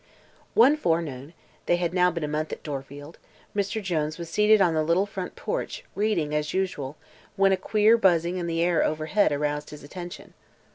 One forenoon they had now been a month at Dorfield Mr. Jones was seated on the little front porch, reading as usual, when a queer buzzing in the air overhead aroused his attention.